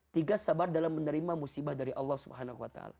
tiga sabar dalam menerima musibah dari allah swt